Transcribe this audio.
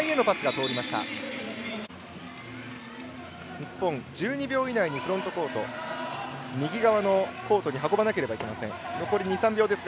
日本、１２秒以内にフロントコート右側のコートに運ばなければいけません。